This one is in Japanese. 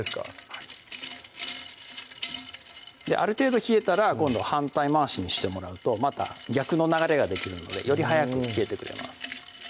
はいある程度冷えたら今度は反対回しにしてもらうとまた逆の流れができるのでより早く冷えてくれます